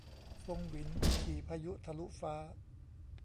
ฟงหวิน ขี่พายุทะลุฟ้า